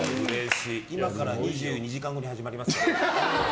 今から２２時間後に始まりますから。